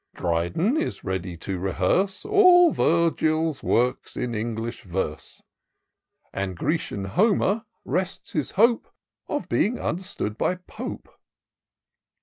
Dryden is ready to rehearse All VirffiVs Works in English verse ; And Grecian Homer rests his hope Of being understood by Pope.